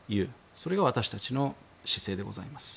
それが私たちの姿勢でございます。